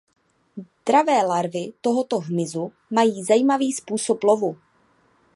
Dravé larvy tohoto hmyzu mají zajímavý způsob lovu.